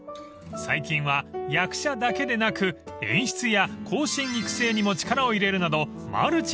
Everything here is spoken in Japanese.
［最近は役者だけでなく演出や後進育成にも力を入れるなど］